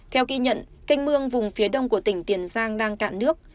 theo ghi nhận canh mương vùng phía đông của tỉnh tiền giang đang cạn nước